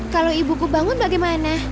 kalau ibuku bangun bagaimana